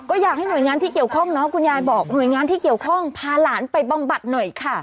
ก็อยากให้หน่วยงานที่เกี่ยวข้องเนาะคุณยายบอกหน่วยงานที่เกี่ยวข้องพาหลานไปบำบัดหน่อยค่ะ